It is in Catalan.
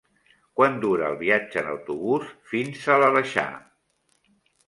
Quant dura el viatge en autobús fins a l'Aleixar?